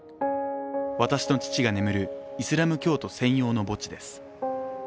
私の父が眠るイスラム教徒専用の墓地です。